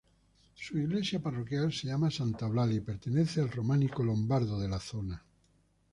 Su iglesia parroquial se llama Santa Eulalia y pertenece al románico-lombardo de la zona.